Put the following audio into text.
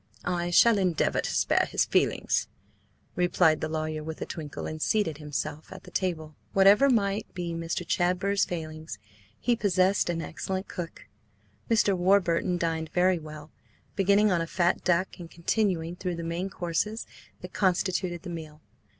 "I shall endeavour to spare his feelings," replied the lawyer with a twinkle, and seated himself at the table. Whatever might be Mr. Chadber's failings, he possessed an excellent cook. Mr. Warburton dined very well, beginning on a fat duck, and continuing through the many courses that constituted the meal.